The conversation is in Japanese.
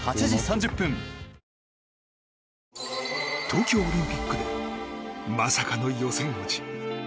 東京オリンピックでまさかの予選落ち。